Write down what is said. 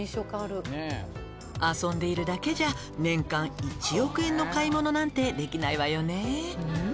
「遊んでいるだけじゃ年間１億円の買い物なんてできないわよね」